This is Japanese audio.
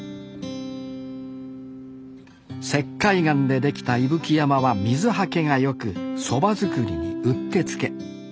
石灰岩で出来た伊吹山は水はけが良くそば作りにうってつけ。